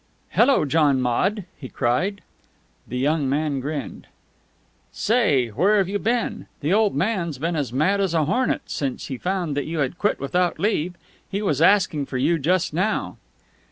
"Hello, John Maude!" he cried. The young man grinned. "Say, where have you been? The old man's been as mad as a hornet since he found you had quit without leave. He was asking for you just now."